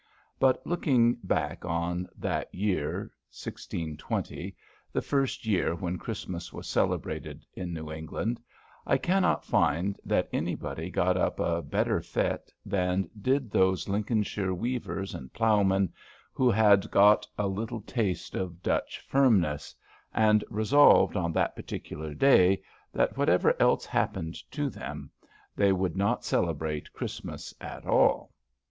But looking back on that year 1620, the first year when Christmas was celebrated in New England, I cannot find that anybody got up a better fête than did these Lincolnshire weavers and ploughmen who had got a little taste of Dutch firmness, and resolved on that particular day, that, whatever else happened to them, they would not celebrate Christmas at all.